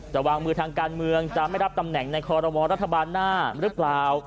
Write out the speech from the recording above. วางมือทางการเมืองจะไม่รับตำแหน่งในคอรมอรัฐบาลหน้าหรือเปล่า